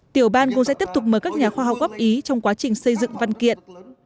tiểu ban cũng sẽ tiếp tục mời các nhà khoa học góp ý trong quá trình xây dựng văn kiện